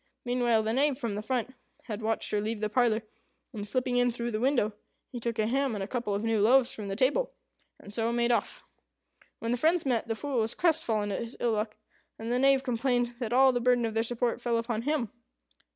Meanwhile, the Knave, from the front, had watched her leave the parlour, and slipping in through the window, he took a ham and a couple of new loaves from the table, and so made off. When the friends met, the Fool was crestfallen at his ill luck, and the Knave complained that all the burden of their support fell upon him.